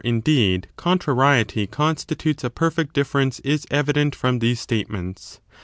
263 indeed, contrariety constitutes a perfect difference is evident from these statements.